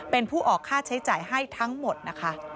เป็นผู้ออกค่าใช้จ่ายให้ทั้งหมดนะคะ